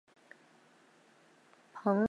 蓬波尔。